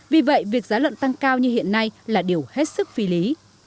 vì vậy việc giá lợn tăng cao như hiện nay là điều hết sức phi lý